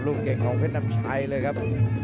รุ่นเก่งของเพศน้ำชัยเลยครับ